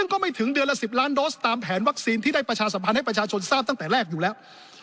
ก็ไม่ถึงเดือนละ๑๐ล้านโดสตามแผนวัคซีนที่ได้ประชาสัมพันธ์ให้ประชาชนทราบตั้งแต่แรกอยู่แล้ว